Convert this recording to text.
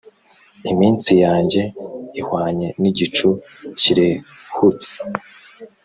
Iminsi yanjye ihwanye nigicu kirehutse